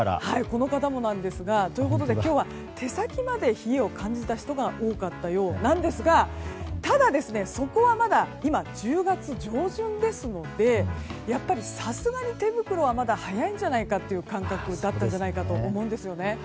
この方もなんですが。ということで今日は手先まで冷えを感じた人が多かったようなんですがただ、そこはまだ今、１０月上旬ですのでやっぱりさすがに手袋はまだ早いんじゃないかという感覚だったんじゃないかと思うんですよね。